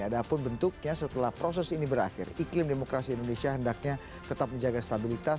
ada pun bentuknya setelah proses ini berakhir iklim demokrasi indonesia hendaknya tetap menjaga stabilitas